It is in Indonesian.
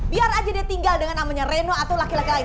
biar aja dia tinggal dengan namanya reno atau laki laki